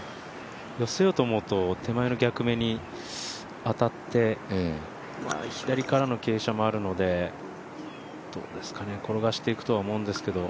寄せようと思うと手前の逆目に当たって左からの傾斜もあるので、どうですかね、転がしていくとは思うんですけど。